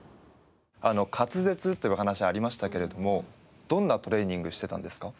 滑舌という話ありましたけれどもどんなトレーニングしてたんですか？